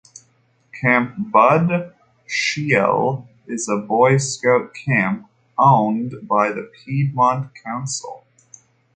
Camp Bud Schiele is a Boy Scout camp owned by the Piedmont Council.